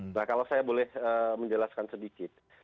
nah kalau saya boleh menjelaskan sedikit